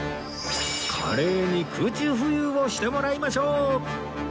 華麗に空中浮遊をしてもらいましょう